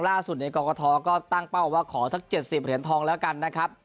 ล่าสุดในกรกฐก็ตั้งเป้าว่าขอสัก๗๐เหรียญทองแล้วกันนะครับ